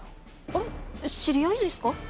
あれ知り合いですか？